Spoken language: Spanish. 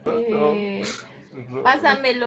Su padre fue un pastor protestante.